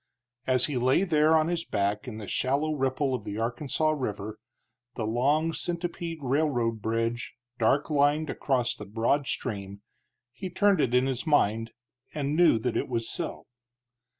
As he lay there on his back in the shallow ripple of the Arkansas River, the long centipede railroad bridge dark lined across the broad stream, he turned it in his mind and knew that it was so.